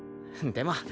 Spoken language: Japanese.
でも。